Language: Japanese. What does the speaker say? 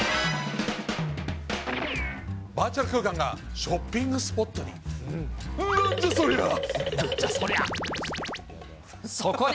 バーチャル空間がショッピングスポットに。